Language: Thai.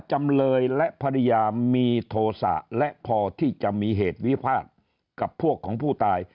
จำเลยและภรรยามีโทษะและพอที่จะมีเหตุวิพาทกับพวกของผู้ตาย